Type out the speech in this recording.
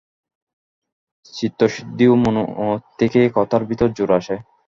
চিত্তশুদ্ধি ও মৌন থেকেই কথার ভিতর জোর আসে।